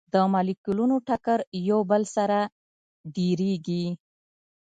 د مالیکولونو ټکر یو بل سره ډیریږي.